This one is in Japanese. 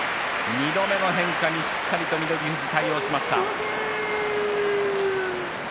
２度目の変化にしっかりと翠富士対応しました。